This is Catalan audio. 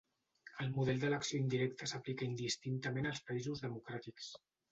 El model d'elecció indirecta s'aplica indistintament als països democràtics.